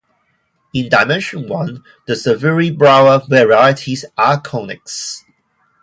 In dimension one, the Severi-Brauer varieties are conics.